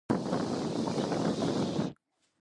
Дзеиԥшрауаҩу ҳәа иудыруеи Хымца Лагәба?